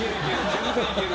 全然いける。